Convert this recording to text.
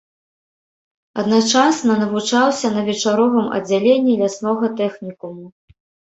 Адначасна навучаўся на вечаровым аддзяленні ляснога тэхнікуму.